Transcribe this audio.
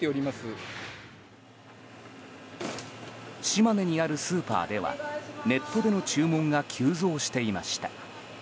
島根にあるスーパーではネットでの注文が急増していました。